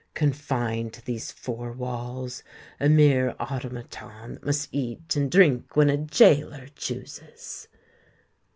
Confined to these four walls—a mere automaton that must eat and drink when a gaoler chooses!"